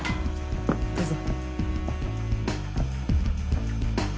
どうぞ。